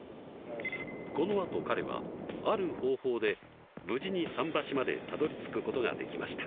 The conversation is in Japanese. このあと彼はある方法で無事に桟橋までたどりつくことができました。